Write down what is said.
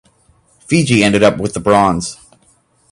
Fiji ended up with the bronze.